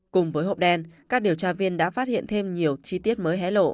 cùng với hộp đen các điều tra viên đã phát hiện thêm nhiều chi tiết mới hé lộ